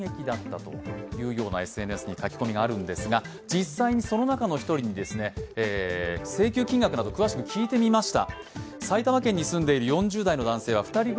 実際にその中の１人に請求金額など詳しく聞いてみました。